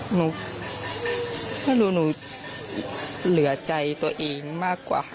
หนูไม่รู้หนูเหลือใจตัวเองมากกว่าค่ะ